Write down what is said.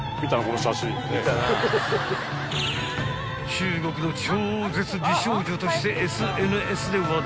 ［中国の超絶美少女としてＳＮＳで話題に］